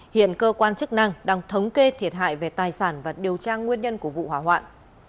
hiện cơ quan chức năng đang thống kê thiệt hại về tài sản và điều tra nguyên nhân của vụ hỏa hoạn